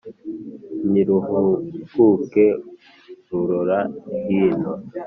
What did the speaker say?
Ntiruhuguke rurora hino,